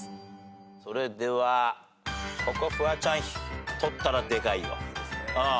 それではここフワちゃん取ったらでかいよ。